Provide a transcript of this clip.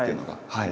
はい。